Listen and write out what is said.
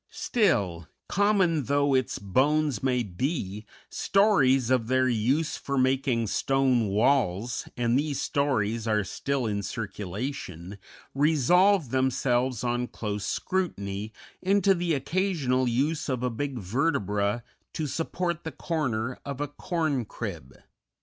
Still, common though its bones may be, stories of their use for making stone walls and these stories are still in circulation resolve themselves on close scrutiny into the occasional use of a big vertebra to support the corner of a corn crib.